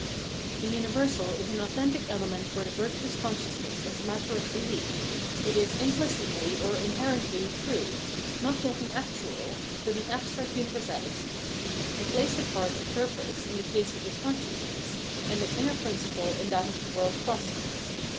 The universal is an authentic element for the virtuous consciousness as a matter of belief; it is "impKcitly" or " inherently " true ; not yet an actual, but an abstract universahty. It plays the part of purpose in the case of this consciousness, and of inner principle in that of the world's process.